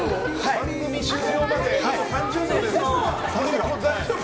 番組終了まであと３０秒です。